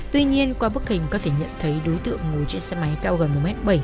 tuy nhiên qua bức hình có thể nhận thấy đối tượng ngồi trên xe máy cao gần một m bảy